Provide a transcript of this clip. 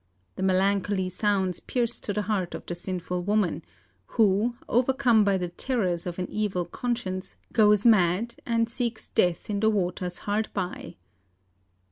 The melancholy sounds pierce to the heart of the sinful woman, who, overcome by the terrors of an evil conscience, goes mad, and seeks death in the waters hard by.